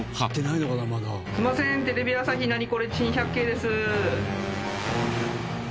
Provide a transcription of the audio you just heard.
すいませんテレビ朝日『ナニコレ珍百景』です。